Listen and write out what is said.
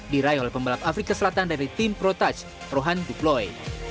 diraih oleh pembalap afrika selatan dari tim pro touch rohan duploe